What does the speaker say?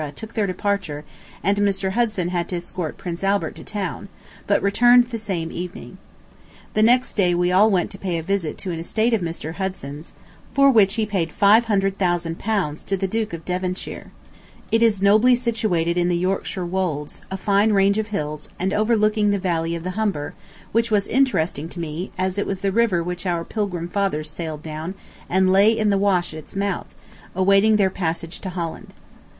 took their departure and Mr. Hudson had to escort Prince Albert to town, but returned the same evening. ... The next day we all went to pay a visit to an estate of Mr. Hudson's [name of estate indecipherable] for which he paid five hundred thousand pounds to the Duke of Devonshire. ... It is nobly situated in the Yorkshire wolds, a fine range of hills, and overlooking the valley of the Humber, which was interesting to me, as it was the river which our Pilgrim fathers sailed down and lay in the Wash at its mouth, awaiting their passage to Holland.